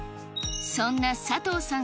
そんな佐藤さん